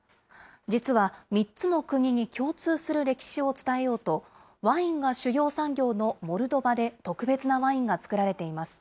実は、３つの国に共通する歴史を伝えようと、ワインが主要産業のモルドバで特別なワインが造られています。